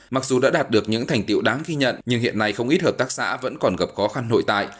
mặc dù đã đạt được những thành tiệu đáng ghi nhận nhưng hiện nay không ít hợp tác xã vẫn còn gặp khó khăn nội tại